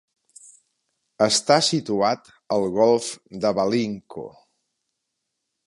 Està situat al golf de Valinco.